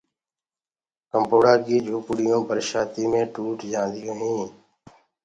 ڪچيٚ جھوُپڙيونٚ ٽوت جآنديو هينٚ۔